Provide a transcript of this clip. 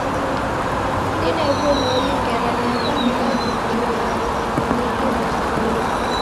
Sine w'uloli ngera miaka milazi kuchumba ni irasimio.